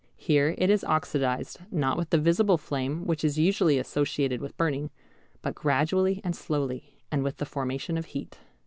Here it is oxidized, not with the visible flame which is usually associated with burning, but gradually and slowly, and with the formation of heat.